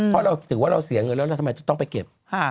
เพราะเราถือว่าเราเสียเงินแล้วเราทำไมจะต้องไปเก็บ